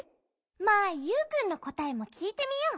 まあユウくんのこたえもきいてみよう。